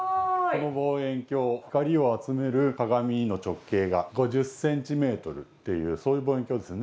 この望遠鏡光を集める鏡の直径が５０ｃｍっていうそういう望遠鏡ですね。